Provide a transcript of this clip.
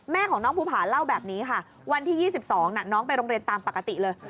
แม่ของน้องภูผาเล่าแบบนี้ค่ะวันที่๒๒น้องไปโรงเรียนตามปกติเลย